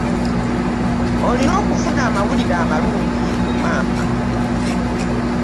Olina okufuna amawulire amalungi ku maama.